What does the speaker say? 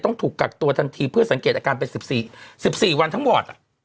ต้องถูกกักตัวทันทีเพื่อสังเกตอาการเป็น๑๔วันทั้งวอร์ด